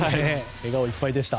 笑顔いっぱいでした。